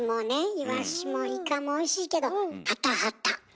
イワシもイカもおいしいけどハタハタ！